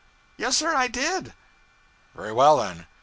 'Yes, sir, I did.' 'Very well, then.